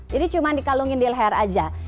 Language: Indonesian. jadi cuma dikalungin di leher aja